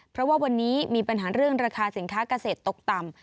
เพราะว่าวันนี้มีปัญหาเรื่องราคาสินค้าเกษตรตกต่ำ